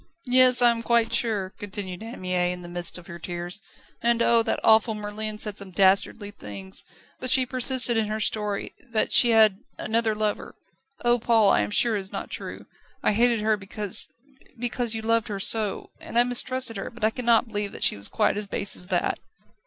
"Yes; I am quite sure," continued Anne Mie, in the midst of her tears. "And oh! that awful Merlin said some dastardly things. But she persisted in her story, that she had another lover. Oh, Paul, I am sure it is not true. I hated her because because you loved her so, and I mistrusted her, but I cannot believe that she was quite as base as that."